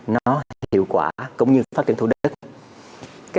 nó hiệu quả cũng như phát triển thú đức